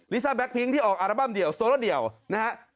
ลิซ่าแบ็คพิ้งที่ออกอาร์บัมเดี่ยวโซโล่เดี่ยวนะครับ